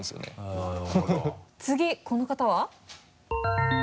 次この方は？